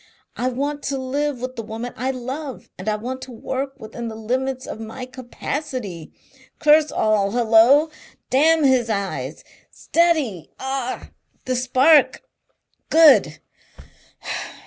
I want to live with the woman I love and I want to work within the limits of my capacity. Curse all Hullo! Damn his eyes! Steady, ah! The spark!... Good!